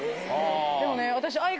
でもね私。